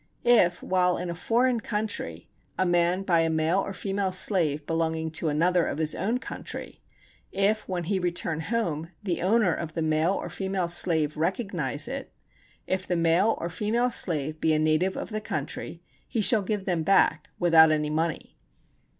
If while in a foreign country a man buy a male or female slave belonging to another [of his own country]: if when he return home the owner of the male or female slave recognize it: if the male or female slave be a native of the country, he shall give them back without any money.